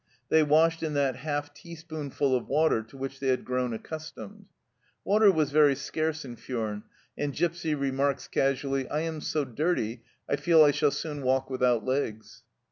They washed in that " half teaspoonful " of water to which they had grown accustomed. Water was very scarce in Furnes, and Gipsy remarks casually, " I am so dirty, I feel I shall soon walk without legs